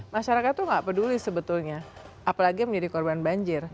masyarakat itu nggak peduli sebetulnya apalagi menjadi korban banjir